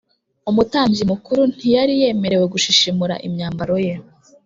umutambyi mukuru ntiyari yemerewe gushishimura imyambaro ye